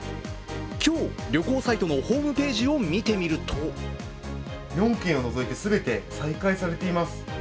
今日、旅行サイトのホームページを見てみると４県を除いて全て再開されています。